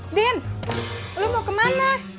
udin lu mau kemana